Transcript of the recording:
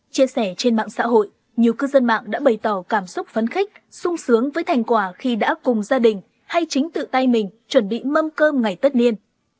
chia sẻ trên mạng xã hội nhiều cư dân mạng đã bày tỏ cảm xúc phấn khích sung sướng với thành quả khi đã cùng gia đình hay chính tự tay mình chuẩn bị mâm cơm ngày tất niên